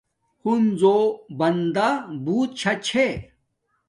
ہنزو بندا بوت شاہ چھے